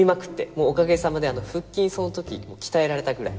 もうおかげさまで腹筋その時鍛えられたくらい